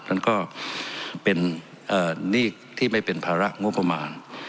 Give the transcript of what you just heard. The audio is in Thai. นั้นก็เป็นหนี้ที่ไม่เป็นภาระงบประมาณ